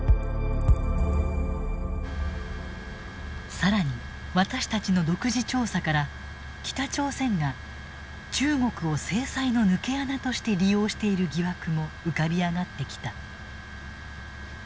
更に私たちの独自調査から北朝鮮が中国を制裁の抜け穴として利用している疑惑も浮かび上がってきた。